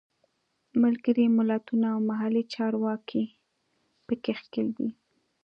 ملګري ملتونه او محلي چارواکي په کې ښکېل دي.